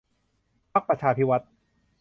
พรรคประชาภิวัฒน์